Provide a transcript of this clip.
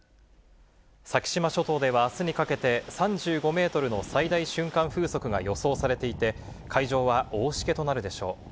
先島諸島ではあすにかけて、３５メートルの最大瞬間風速が予想されていて、海上は大しけとなるでしょう。